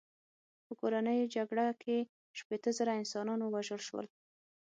په کورنۍ جګړه کې شپېته زره انسانان ووژل شول.